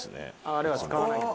あれは使わないんだ。